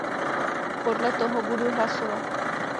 Podle toho budu hlasovat.